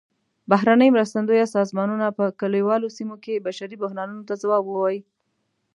بهرنۍ مرستندویه سازمانونه په کلیوالو سیمو کې بشري بحرانونو ته ځواب ووايي.